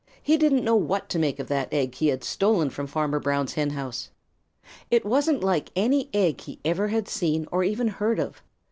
He didn't know what to make of that egg he had stolen from Farmer Brown's henhouse. It wasn't like any egg he ever had seen or even heard of.